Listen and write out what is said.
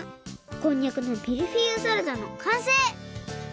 こんにゃくのミルフィーユサラダのかんせい！